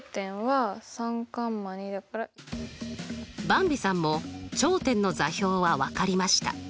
ばんびさんも頂点の座標は分かりました。